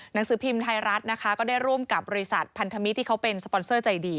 หนังสือพิมพ์ไทยรัฐนะคะก็ได้ร่วมกับบริษัทพันธมิตรที่เขาเป็นสปอนเซอร์ใจดี